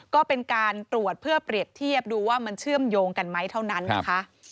ก็เป็นการตรวจเพื่อเปรียบเทียบดูว่ามันเชื่อมโยงกันไหมเท่านั้นนะคะ